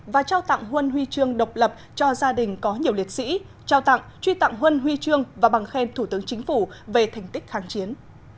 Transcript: và trao tặng huân huy trương độc lập cho gia đình có nhiều liệt sĩ trao tặng truy tặng huân huy trương và bằng khen thủ tướng chính phủ về thành tích kháng chiến